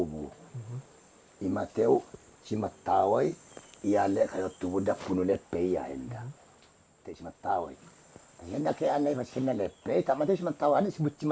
back avat yang pernah ditato melewati sparked away dari satu vaibara ada kedengaran yangittynya